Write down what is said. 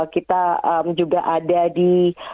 kita juga ada di